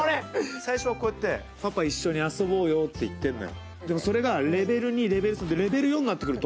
最初はこうやって、パパ一緒に遊ぼうよって言ってるのよ。